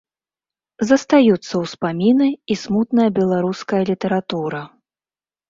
Застаюцца ўспаміны і смутная беларуская літаратура.